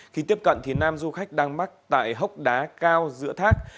khi tiếp cận thì nam du khách đang mắc tại hốc đá cao giữa thác